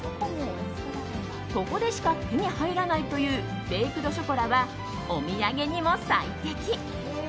ここでしか手に入らないというベイクドショコラはお土産にも最適。